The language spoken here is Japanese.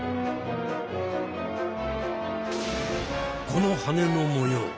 このはねの模様